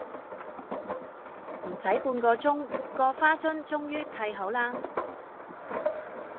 唔駛半個鐘個花樽終於砌好啦